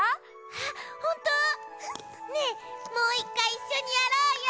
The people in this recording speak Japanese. はっほんと⁉ねえもういっかいいっしょにやろうよ！